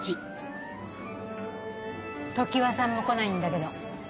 常葉さんも来ないんだけど。